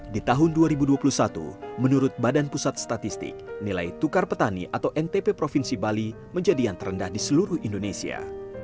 di tahun dua ribu dua puluh satu menurut badan pusat statistik nilai tukar petani atau ntp provinsi bali menjadi yang terendah di seluruh indonesia